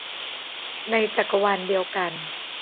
ในจักรวาลเดียวกัน